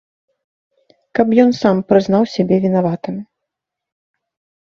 Каб ён сам прызнаў сябе вінаватым.